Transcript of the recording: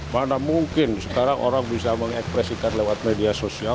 mana mungkin sekarang orang bisa mengekspresikan lewat media sosial